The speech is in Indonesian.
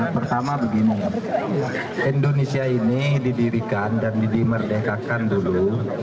pertama begini indonesia ini didirikan dan dimerdekakan dulu